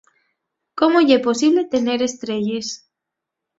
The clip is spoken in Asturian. ¿Cómo ye posible tener estrelles?